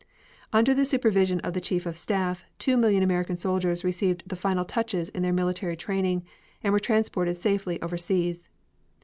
Under the supervision of the Chief of Staff, two million American soldiers received the final touches in their military training and were transported safely overseas.